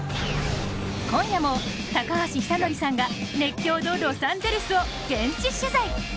今夜も高橋尚成さんがロサンゼルスを大取材。